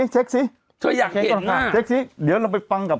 เช็กเช็กทุกคนอ่ะเช็กสิเดี๋ยวเราไปฟังกับ